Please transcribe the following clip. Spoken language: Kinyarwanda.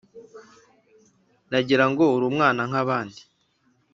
Nagira ngo uri umwana nk’abandi,